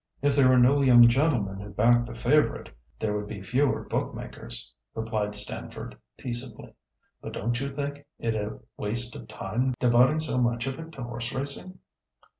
"If there were no young gentlemen who backed the favourite, there would be fewer bookmakers," replied Stamford, peaceably. "But don't you think it a waste of time devoting so much of it to horseracing?"